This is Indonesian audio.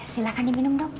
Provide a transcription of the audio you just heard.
silakan diminum dok